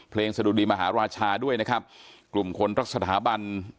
สะดุดีมหาราชาด้วยนะครับกลุ่มคนรักสถาบัน